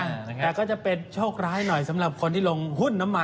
แต่ก็จะเป็นโชคร้ายหน่อยสำหรับคนที่ลงหุ้นน้ำมัน